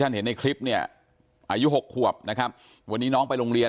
เห็นในคลิปเนี่ยอายุ๖ขวบนะครับวันนี้น้องไปโรงเรียน